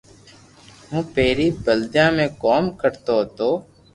ھون پيري بلديئا ۾ ڪوم ڪرتو ھتو